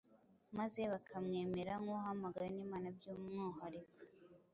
maze bakamwemera nk’uwahamagawe n’Imana by’umwuhariko